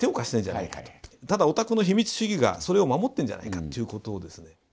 ただお宅の秘密主義がそれを守ってるんじゃないかっていうことをですね